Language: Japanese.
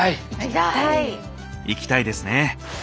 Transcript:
行きたいですね！